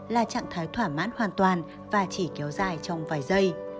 là trạng thái thỏa mãn hoàn toàn và chỉ kéo dài trong vài giây